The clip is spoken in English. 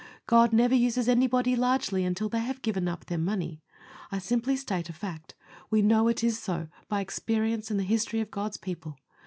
God never uses anybody largely until they have given up their money. I simply state a fact. We know it is so by experience and the history of God's people.